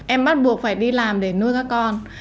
em bắt buộc phải đi làm để nuôi các con